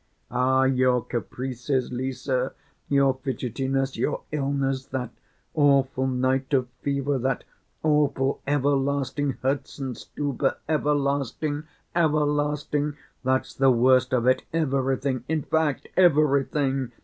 "Ah, your caprices, Lise, your fidgetiness, your illness, that awful night of fever, that awful everlasting Herzenstube, everlasting, everlasting, that's the worst of it! Everything, in fact, everything....